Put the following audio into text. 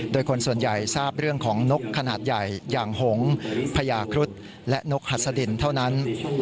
โดยคนส่วนใหญ่ทราบเรื่องของนกขนาดใหญ่อย่างหงษ์พญาครุฑและนกหัสดินเท่านั้น